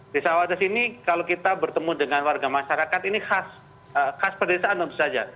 desa wadas ini kalau kita bertemu dengan warga masyarakat ini khas pedesaan tentu saja